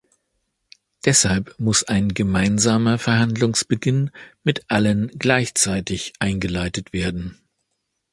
Deshalb muss ein gemeinsamer Verhandlungsbeginn mit allen gleichzeitig eingeleitet werden.